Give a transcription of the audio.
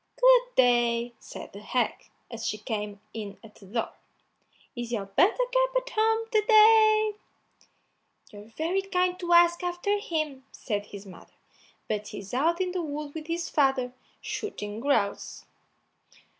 "Good day!" said the hag, as she came in at the door; "is your Buttercup at home to day?" "You're very kind to ask after him," said his mother; "but he's out in the wood with his father, shooting grouse."